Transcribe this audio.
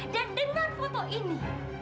dan dengan foto ini